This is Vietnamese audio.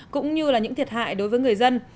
cũng như là những thiệt hại đối với người dân